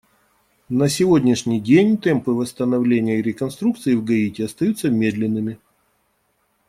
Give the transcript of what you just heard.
На сегодняшний день темпы восстановления и реконструкции в Гаити остаются медленными.